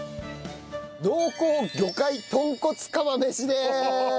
濃厚魚介豚骨釜飯です！